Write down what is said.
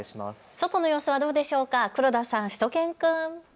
外の様子はどうでしょうか、黒田さん、しゅと犬くん。